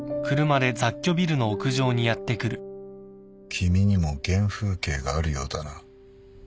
君にも原風景があるようだな。